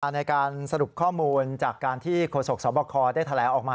ในการสรุปข้อมูลจากการที่โฆษกสบคได้แถลงออกมา